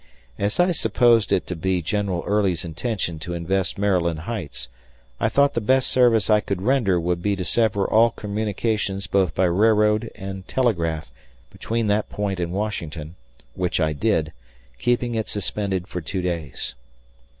As I supposed it to be General Early's intention to invest Maryland Heights, I thought the best service I could render would be to sever all communication both by railroad and telegraph between that point and Washington, which I did, keeping it suspended for two days.